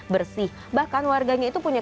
bersih bahkan warganya itu punya